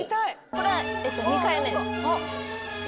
これ２回目です。